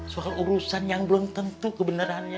soal urusan yang belum tentu kebenarannya